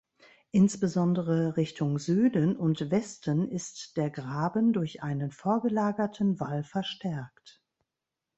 Insbesondere Richtung Süden und Westen ist der Graben durch einen vorgelagerten Wall verstärkt.